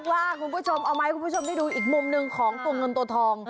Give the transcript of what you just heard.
ว่าคุณผู้ชมเอามาให้คุณผู้ชมได้ดูอีกมุมหนึ่งของตัวเงินตัวทอง